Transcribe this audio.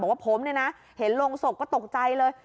บอกว่าผมเนี่ยนะเห็นลงศพก็ตกใจเลย